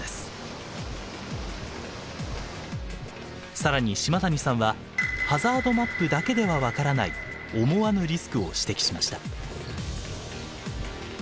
更に島谷さんはハザードマップだけではわからない思わぬリスクを指摘しました。